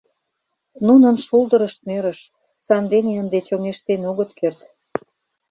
Нунын шулдырышт нӧрыш, сандене ынде чоҥештен огыт керт.